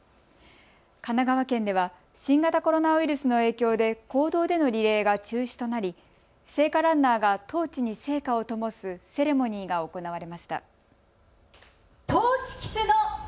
神奈川県では新型コロナウイルスの影響で公道でのリレーが中止となり聖火ランナーがトーチに聖火をともすセレモニーが行われました。